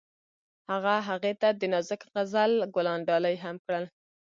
هغه هغې ته د نازک غزل ګلان ډالۍ هم کړل.